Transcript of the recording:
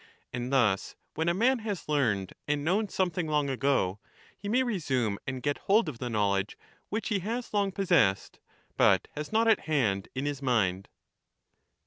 And thus, when a man has learned and known something long ago, he may resume and get hold of the knowledge which he has long possessed, but has not at hand in his mind.